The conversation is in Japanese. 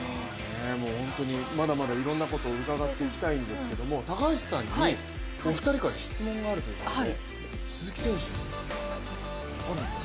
本当にまだまだいろんなことを伺っていきたいんですけども高橋さんにお二人から質問があるということで。